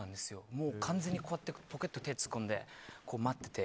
完全にこうやってポケットに手を突っ込んで待ってて。